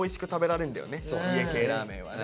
家系ラーメンはね。